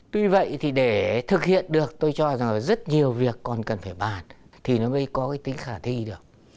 tuy vậy thì để thực hiện được tôi cho rằng là rất nhiều việc còn cần phải bàn thì nó mới có cái tính khả thi được